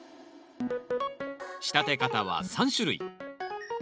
仕立て方は３種類。